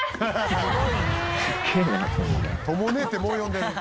とも姉ってもう呼んでる。